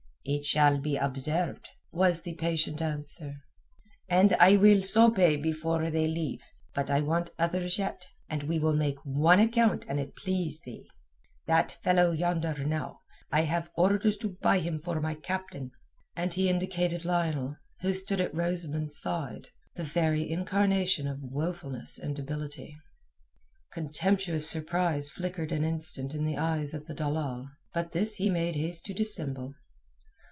"It shall be observed," was the impatient answer, "and I will so pay before they leave. But I want others yet, and we will make one account an it please thee. That fellow yonder now. I have orders to buy him for my captain." And he indicated Lionel, who stood at Rosamund's side, the very incarnation of woefulness and debility. Contemptuous surprise flickered an instant in the eyes of the dalal. But this he made haste to dissemble.